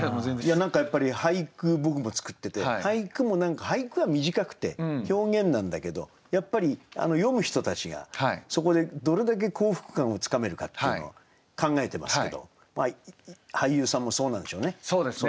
何かやっぱり俳句僕も作ってて俳句は短くて表現なんだけどやっぱり読む人たちがそこでどれだけ幸福感をつかめるかっていうのは考えてますけど俳優さんもそうなんでしょうね。